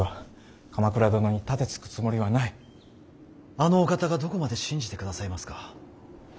あのお方がどこまで信じてくださいますか。